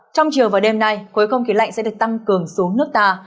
trong chiều và đêm nay khối không khí lạnh sẽ được tăng cường xuống nước ta